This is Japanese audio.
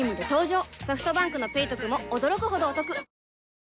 ソフトバンクの「ペイトク」も驚くほどおトク